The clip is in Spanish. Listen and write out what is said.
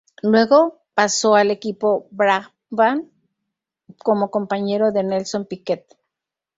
Luego paso al equipo Brabham como compañero de Nelson Piquet.